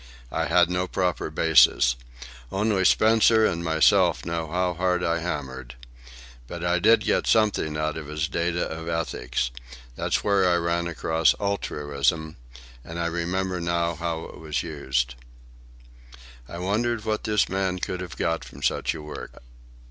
I had no proper basis. Only Spencer and myself know how hard I hammered. But I did get something out of his Data of Ethics. There's where I ran across 'altruism,' and I remember now how it was used." I wondered what this man could have got from such a work.